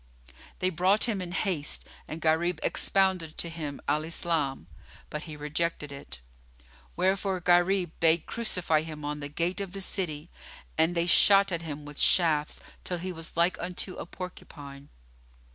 They brought him in haste and Gharib expounded to him Al Islam; but he rejected it; wherefore Gharib bade crucify him on the gate of the city, and they shot at him with shafts till he was like unto a porcupine.